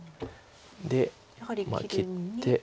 で切って。